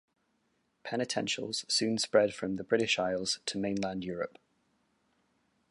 Penitentials soon spread from the British Isles to mainland Europe.